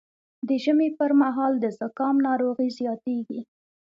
د ژمي پر مهال د زکام ناروغي زیاتېږي